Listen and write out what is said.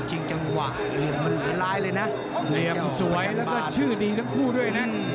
จริงจังหวะเหลี่ยมมันเหลือร้ายเลยนะเหลี่ยมสวยแล้วก็ชื่อดีทั้งคู่ด้วยนะ